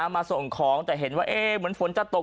มาส่งของแต่เห็นว่าเหมือนฝนจะตก